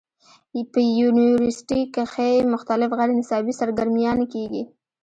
پۀ يونيورسټۍ کښې مختلف غېر نصابي سرګرميانې کيږي